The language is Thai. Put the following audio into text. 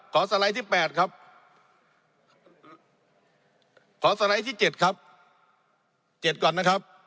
สไลด์ที่แปดครับขอสไลด์ที่๗ครับเจ็ดก่อนนะครับ